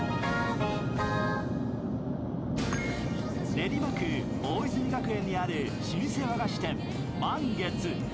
練馬区大泉学園にある老舗和菓子店、満月。